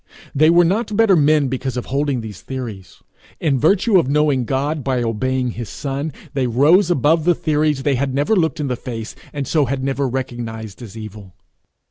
They were not better men because of holding these theories. In virtue of knowing God by obeying his son, they rose above the theories they had never looked in the face, and so had never recognized as evil.